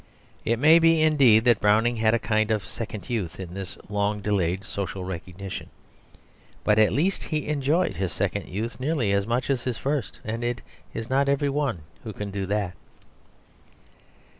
It may be indeed that Browning had a kind of second youth in this long delayed social recognition, but at least he enjoyed his second youth nearly as much as his first, and it is not every one who can do that.